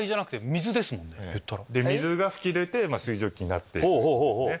水が噴き出て水蒸気になってるんですね。